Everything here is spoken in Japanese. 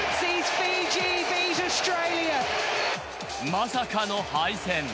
まさかの敗戦。